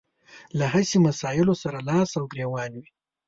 له هسې مسايلو سره لاس او ګرېوان وي.